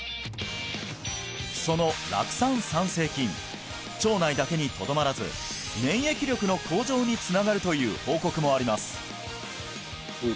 その酪酸産生菌腸内だけにとどまらず免疫力の向上につながるという報告もあります